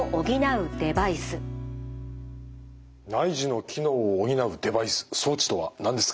内耳の機能を補うデバイス装置とは何ですか？